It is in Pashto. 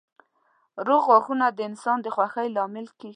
روغ غاښونه د انسان د خوښۍ لامل کېږي.